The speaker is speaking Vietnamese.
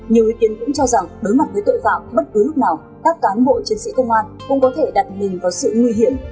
nhiều ý kiến cũng cho rằng đối mặt với tội phạm bất cứ lúc nào các cán bộ chiến sĩ công an cũng có thể đặt mình vào sự nguy hiểm